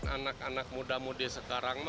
anak anak muda muda sekarang